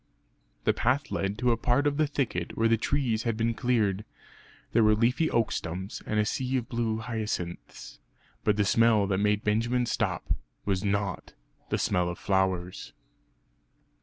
The path led to a part of the thicket where the trees had been cleared; there were leafy oak stumps, and a sea of blue hyacinths but the smell that made Benjamin stop, was not the smell of flowers!